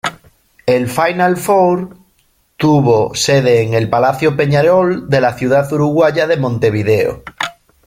El "Final-Four" tuvo sede en el Palacio Peñarol de la ciudad uruguaya de Montevideo.